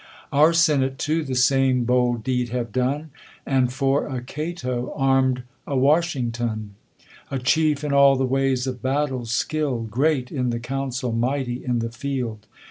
Our senate too the same bold deed have done, , And for a Cato, arm'd a Washington ; A chief, in all the ways of battle skilPd, Great in the council, mighty in the field.